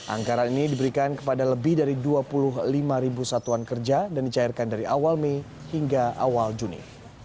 anggaran ini diberikan kepada lebih dari dua puluh lima ribu satuan kerja dan dicairkan dari awal mei hingga awal juni